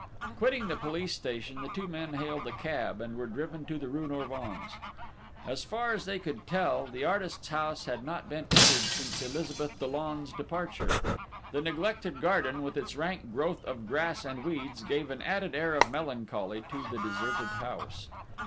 Quitting the police station, the two men hailed a cab, and were driven to the rue Norvins. As far as they could tell, the artist's house had not been entered since Elizabeth Dollon's departure. The neglected garden, with its rank growth of grass and weeds, gave an added air of melancholy to the deserted house.